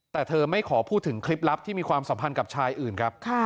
แต่เธอไม่ขอพูดถึงคลิปลับที่มีความสัมพันธ์กับชายอื่นครับ